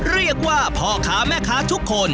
เรียกว่าพ่อค้าแม่ค้าทุกคน